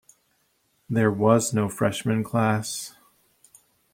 There was no freshman class.